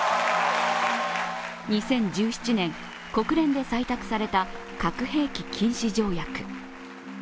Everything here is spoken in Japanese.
２０１７年、国連で採択された核兵器禁止条約。